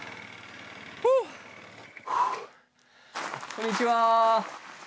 こんにちは。